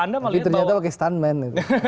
tapi ternyata pakai stuntman